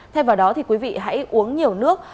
thêm vào đó thì quý vị hãy uống nhiều nước